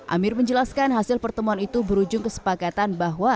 amir menjelaskan hasil pertemuan itu berujung kesepakatan bahwa